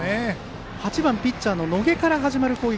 ８番ピッチャーの野下から始まる攻撃。